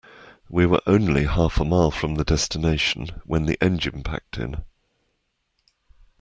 We were only half a mile from the destination when the engine packed in.